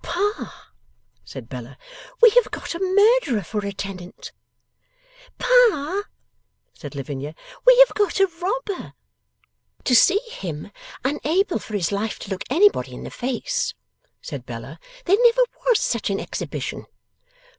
'Pa,' said Bella, 'we have got a Murderer for a tenant.' 'Pa,' said Lavinia, 'we have got a Robber.' 'To see him unable for his life to look anybody in the face!' said Bella. 'There never was such an exhibition.